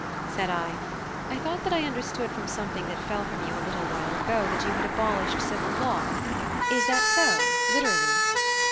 Said I: "I thought that I understood from something that fell from you a little while ago that you had abolished civil law. Is that so, literally?"